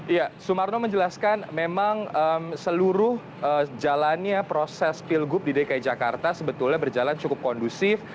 ya sumarno menjelaskan memang seluruh jalannya proses pilgub di dki jakarta sebetulnya berjalan cukup kondusif